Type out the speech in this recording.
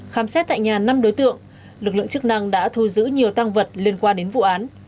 khám xét tại nhà năm đối tượng lực lượng chức năng đã thu giữ nhiều tăng vật liên quan đến vụ án